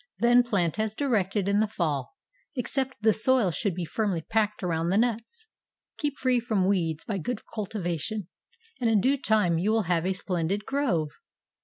Then plant as directed in the fall, except the soil should be firmly packed around the nuts. Keep free from weeds by good cultivation, and in due time you will have a splendid grove.